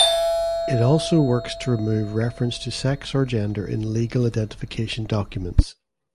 It also works to remove reference to sex or gender in legal identification documents.